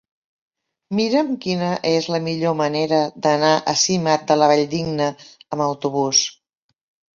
Mira'm quina és la millor manera d'anar a Simat de la Valldigna amb autobús.